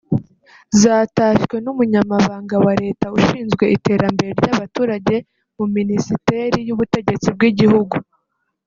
zatashywe n’umunyamabanga wa Leta ushinzwe iterambere ry’abaturage mu Minisiteri y’Ubutegetsi bw’igihugu